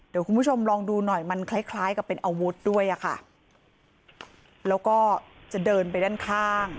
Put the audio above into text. เดี๋ยวคุณผู้ชมลองดูหน่อยมันคล้ายคล้ายกับเป็นอาวุธด้วยอะค่ะแล้วก็จะเดินไปด้านข้าง